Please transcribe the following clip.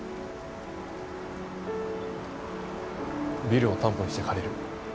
ビルを担保にして借りる。